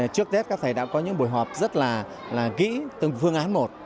trước tết các thầy đã có những buổi họp rất là kỹ từng phương án một